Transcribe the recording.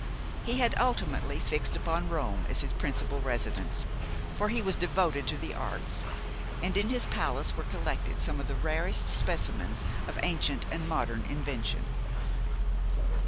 He had ultimately fixed upon Rome as his principal residence, for he was devoted to the arts, and in his palace were collected some of the rarest specimens of ancient and modern invention.